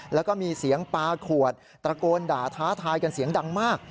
แล้วก็มีเสียงปลาขวดตระโกนด่าท้าทายกันเสียงดังมาก